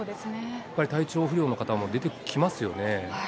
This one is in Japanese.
やっぱり体調不良の方も出てきますよね。